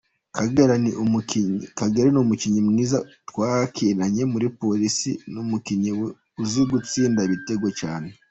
Kagere ni umukinnyi mwiza, twarakinanye muri Police, ni umukinnyi uzi gutsinda ibitego cyane.